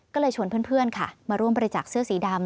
ก็เลยชวนเพื่อนค่ะมาร่วมบริจาคเสื้อสีดำ